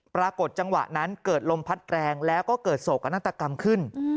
ปรากฏจังหวะนั้นเกิดลมพัดแรงแล้วก็เกิดโศกนาฏกรรมขึ้น